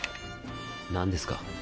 何ですか？